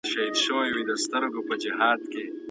لوی کارونه یوازي په ذهني پوهي سره نه سي سرته رسول کېدلای.